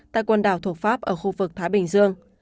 tại quần đảo thuộc pháp ở khu vực thái bình dương